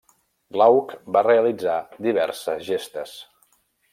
Glauc va realitzar diverses gestes.